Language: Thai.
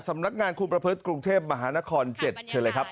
สำนักงานคุมประพฤติกรุงเทพมหานคร๗เชิญเลยครับ